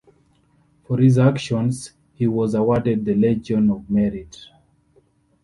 For his actions he was awarded the Legion of Merit.